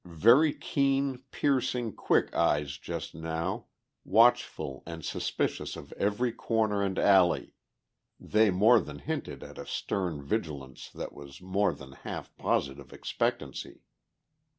Very keen, piercing, quick eyes just now, watchful and suspicious of every corner and alley, they more than hinted at a stern vigilance that was more than half positive expectancy.